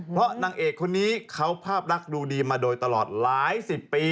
เพราะนางเอกคนนี้เขาภาพรักดูดีมาโดยตลอดหลายสิบปี